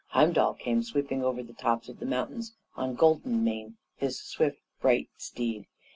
Heimdall came sweeping over the tops of the mountains on Golden Mane, his swift, bright steed.